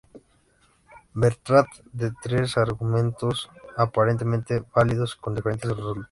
Bertrand da tres argumentos, aparentemente válidos, con diferentes resultados.